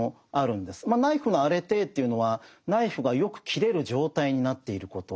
ナイフのアレテーというのはナイフがよく切れる状態になっていること。